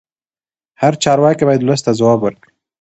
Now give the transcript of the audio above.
هر چارواکی باید ولس ته ځواب ورکړي